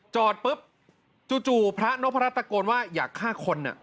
จอดปุ๊บจู่พระนพรัชตะโกนว่าอยากฆ่าคน